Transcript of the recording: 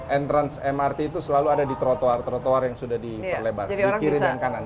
entrance mrt itu selalu ada di trotoar trotoar yang sudah diperlebar jadi orang bisa langsung